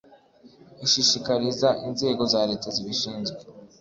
ishishikariza inzego za leta zibishinzwe